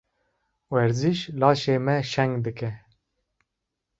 Werziş, laşê me şeng dike.